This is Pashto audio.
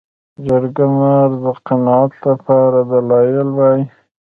جرګه مار د قناعت لپاره دلایل وايي